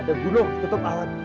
ada gunung ketutup awan